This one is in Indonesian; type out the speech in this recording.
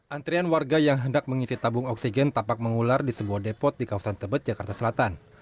antrian warga yang hendak mengisi tabung oksigen tampak mengular di sebuah depot di kawasan tebet jakarta selatan